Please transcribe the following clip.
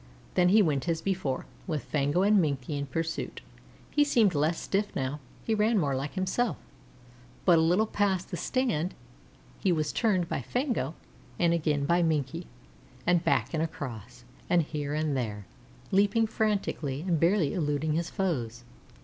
Then he went as before, with Fango and Minkie in pursuit. He seemed less stiff now he ran more like himself; but a little past the Stand he was turned by Fango and again by Minkie, and back and across, and here and there, leaping frantically and barely eluding his foes.